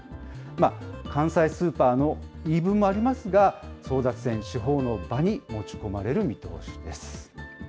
関西スーパーの言い分もありますが、争奪戦、司法の場に持ち込まれる見通しです。